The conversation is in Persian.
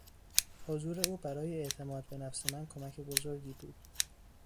حضور او برای اعتماد به نفس من کمک بزرگی بود.